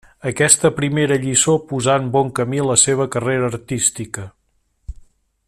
Aquesta primera lliçó posà en bon camí la seva carrera artística.